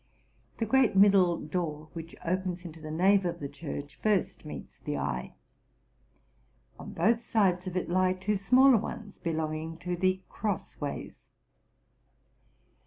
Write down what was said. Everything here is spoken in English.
The great middle door, which opens into the nave of the church, first meets the eye. On both sides of it lie two smaller ones, belonging to the cross ways.